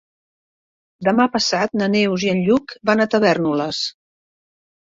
Demà passat na Neus i en Lluc van a Tavèrnoles.